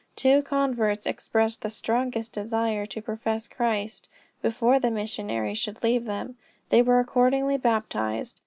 Two converts expressed the strongest desire to profess Christ, before the missionaries should leave them. They were accordingly baptized.